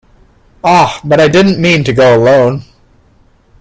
Ah, but I didn't mean to go alone!